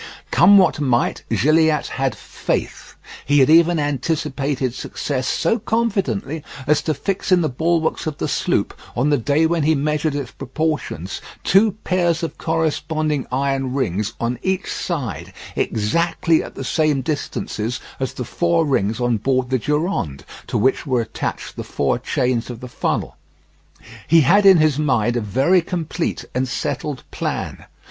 Come what might, Gilliatt had faith. He had even anticipated success so confidently as to fix in the bulwarks of the sloop, on the day when he measured its proportions, two pairs of corresponding iron rings on each side, exactly at the same distances as the four rings on board the Durande, to which were attached the four chains of the funnel. He had in his mind a very complete and settled plan.